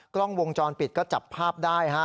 กล้องวงจรปิดก็จับภาพได้ฮะ